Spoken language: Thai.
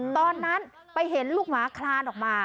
ตอนนั้นไปเห็นลูกหมาคลานออกมา